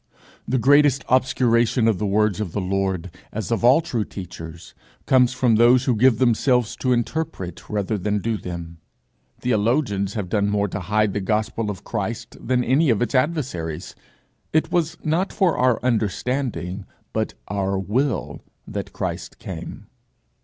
The greatest obscuration of the words of the Lord, as of all true teachers, comes from those who give themselves to interpret rather than do them. Theologians have done more to hide the gospel of Christ than any of its adversaries. It was not for our understandings, but our will, that Christ came.